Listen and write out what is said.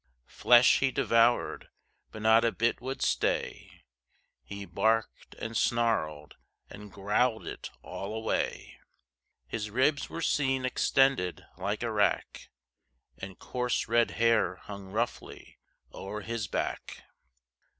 Flesh he devoured, but not a bit would stay He barked, and snarled, and growled it all away. His ribs were seen extended like a rack, And coarse red hair hung roughly o'er his back.